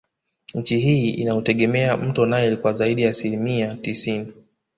Nchi hii inautegemea mto nile kwa zaidi ya asilimia tisini